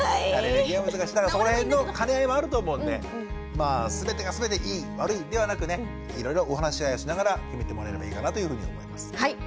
だからそこらへんの兼ね合いもあると思うんでまあ全てが全ていい悪いではなくねいろいろお話し合いをしながら決めてもらえればいいかなというふうに思います。